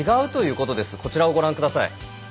こちらをご覧ください。